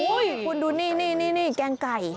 โอ้โหคุณดูนี่แกงไก่